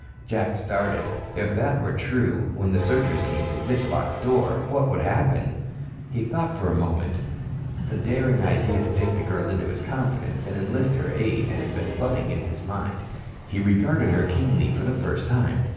Jack started. If that were true, when the searchers came to this locked door, what would happen? He thought for a moment. The daring idea to take the girl into his confidence and enlist her aid had been budding in his mind. He regarded her keenly for the first time.